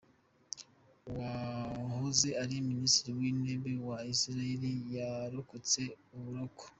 Uwahoze ari Minisitiri w’Intebe wa Isiraheli yarokotse uburoko